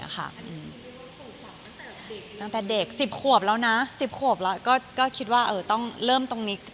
ค่ะตั้งแต่เด็กสิบขวบแล้วนะสิบขวบแล้วก็ก็คิดว่าเออต้องเริ่มตรงนี้